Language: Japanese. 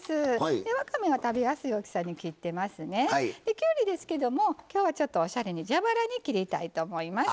きゅうりですけどもきょうはちょっとおしゃれに蛇腹に切りたいと思います。